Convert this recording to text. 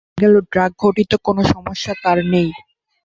দেখা গেল, ড্রাগঘটিত কোনো সমস্যা তার নেই।